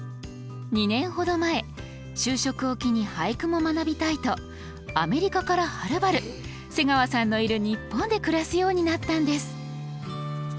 ２年ほど前就職を機に俳句も学びたいとアメリカからはるばる瀬川さんのいる日本で暮らすようになったんです。